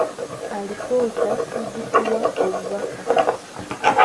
Alipoota zituwa obubaka.